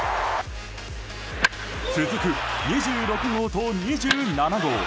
続く２６号と２７号。